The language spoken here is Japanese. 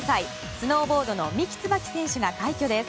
スノーボードの三木つばき選手が快挙です。